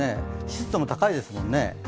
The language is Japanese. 湿度も高いですからね。